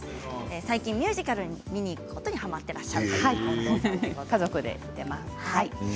最近ミュージカルを見に行くことにはまっていらっしゃる家族で行っています。